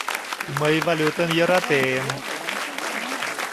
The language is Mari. «Мый валютым йӧратем!»